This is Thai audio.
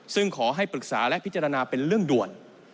ซึ่งขอให้ปรึกษาและพิจารณาเป็นเรื่องด่วน